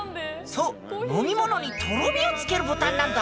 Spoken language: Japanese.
そう飲み物にとろみをつけるボタンなんだ！